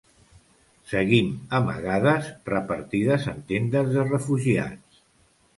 Seguim amagades repartides en tendes de refugiats.